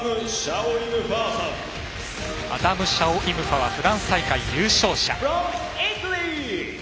アダム・シャオイムファはフランス大会優勝者。